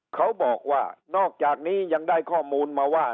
เขาบอกว่านอกจากนี้ยังได้ข้อมูลมาว่า